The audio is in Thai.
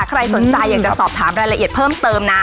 ใครสนใจอยากจะสอบถามรายละเอียดเพิ่มเติมนะ